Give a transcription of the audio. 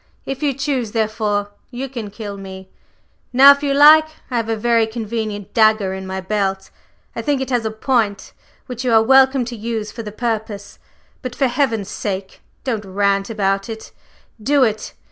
If you choose, therefore, you can kill me, now, if you like! I have a very convenient dagger in my belt I think it has a point which you are welcome to use for the purpose; but, for heaven's sake, don't rant about it do it!